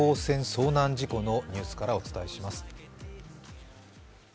遭難事故のニュースからお伝えします。